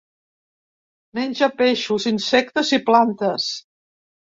Menja peixos, insectes i plantes.